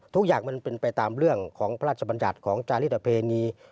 ทุกอย่างมันเป็นไปตามเรื่องของพระราชบัญญัติของจาริตเพณี